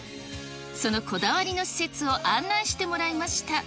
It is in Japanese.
そのこだわりの施設を案内してもらいました。